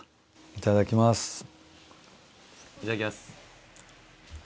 いただきます。